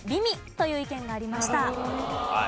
という意見がありました。